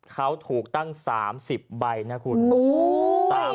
เขาถูกตั้ง๓๐ใบนะคุณ